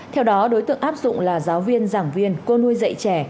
theo đó đối tượng áp dụng là giáo viên giảng viên cô nuôi dạy trẻ